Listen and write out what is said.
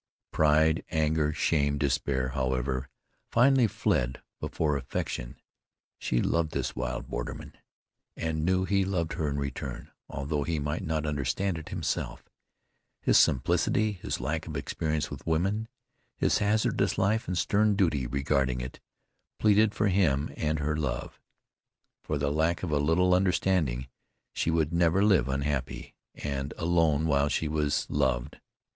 Pride, anger, shame, despair, however, finally fled before affection. She loved this wild borderman, and knew he loved her in return although he might not understand it himself. His simplicity, his lack of experience with women, his hazardous life and stern duty regarding it, pleaded for him and for her love. For the lack of a little understanding she would never live unhappy and alone while she was loved.